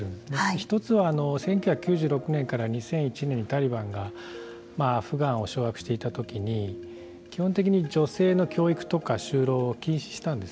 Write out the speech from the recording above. １つは、１９９６年から２００１年にタリバンがアフガンを掌握していたときに基本的に女性の教育とか就労を禁止したんです。